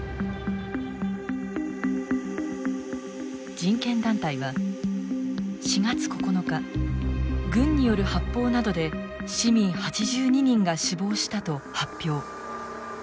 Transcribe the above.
人権団体は４月９日軍による発砲などで市民８２人が死亡したと発表。